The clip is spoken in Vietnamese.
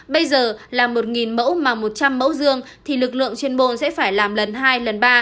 bây giờ làm một mẫu mà một trăm linh mẫu dương thì lực lượng trên bồn sẽ phải làm lần hai lần ba